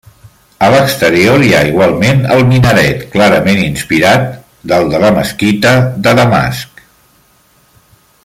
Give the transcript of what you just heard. A l'exterior hi ha igualment el minaret, clarament inspirat del de la mesquita de Damasc.